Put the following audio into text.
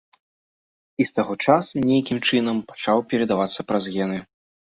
І з таго часу нейкім чынам пачаў перадавацца праз гены.